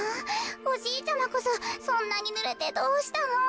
おじいちゃまこそそんなにぬれてどうしたの？